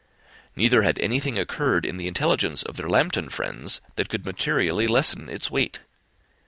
Neither had anything occurred in the intelligence of their Lambton friends that could materially lessen its weight.